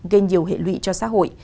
gây nhiều hệ lụy cho xã hội